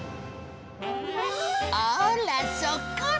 あーら、そっくり。